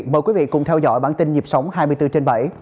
mời quý vị cùng theo dõi bản tin nhịp sống hai mươi bốn trên bảy